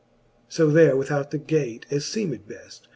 So there without the gate, as feemed bef^